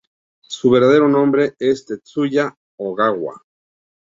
Su verdadero nombre es Tetsuya Ogawa.